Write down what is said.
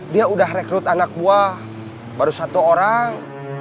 dia udah rekrut anak buah baru satu orang